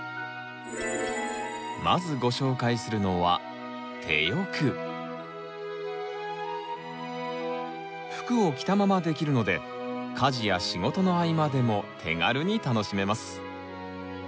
まずご紹介するのは服を着たままできるので家事や仕事の合間でも手軽に楽しめます。